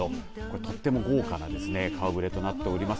とっても豪華な顔触れとなっております。